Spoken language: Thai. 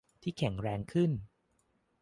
ที่แข็งแรงขึ้น